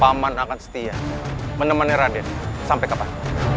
paman akan setia menemani raden sampai kapan